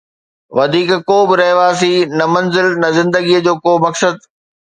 وڌيڪ ڪو به رهواسي، نه منزل، نه زندگيءَ جو ڪو مقصد.